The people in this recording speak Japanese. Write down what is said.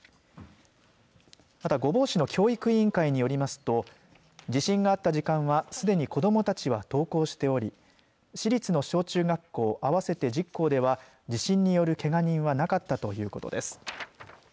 ただ御坊市の教育委員会によりますと地震があった時間はすでに子どもたちは登校しており市立の小中学校合わせて１０校では地震によるけが人はなかったということです。